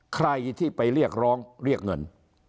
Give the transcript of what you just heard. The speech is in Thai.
ใครที่ไปเรียกร้องเรียกเงิน